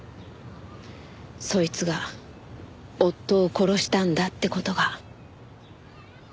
そいつが夫を殺したんだって事が。